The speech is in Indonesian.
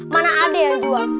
mana ada yang jual